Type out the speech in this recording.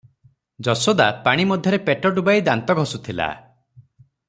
ଯଶୋଦା ପାଣି ମଧ୍ୟରେ ପେଟ ଡୁବାଇ ଦାନ୍ତ ଘଷୁଥିଲା ।